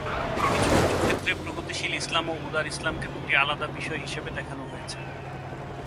কিছু কিছু ক্ষেত্রে প্রগতিশীল ইসলাম ও উদার ইসলামকে দুটি আলাদা বিষয় হিসেবে দেখানো হয়েছে।